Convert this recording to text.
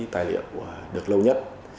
tài liệu được lâu nhất